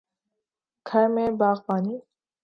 گھر میں باغبانی